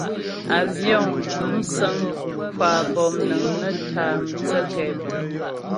Àvyɔ̌ŋ (musə̀ŋ) kwa pɔ̌mnəŋ nə́ tâ mthə́ kɛbəŋ.